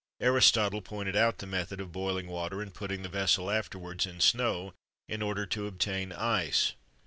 Aristotle pointed out the method of boiling water, and putting the vessel afterwards in snow, in order to obtain ice.